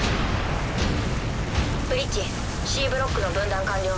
ブリッジＣブロックの分断完了。